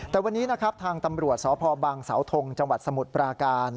แต่วันนี้นะครับทางตำรวจสพบังเสาทงจังหวัดสมุทรปราการ